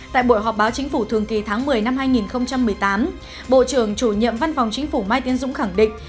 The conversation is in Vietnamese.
tại buổi họp báo chính phủ thường kỳ tháng một mươi năm hai nghìn một mươi tám bộ trưởng chủ nhiệm văn phòng chính phủ mai tiến dũng khẳng định